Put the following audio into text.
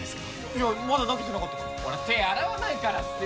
いやまだ投げてなかったから手洗わないからっすよ